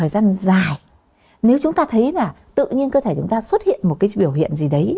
nếu nó xuất hiện một thời gian dài nếu chúng ta thấy tự nhiên cơ thể chúng ta xuất hiện một cái biểu hiện gì đấy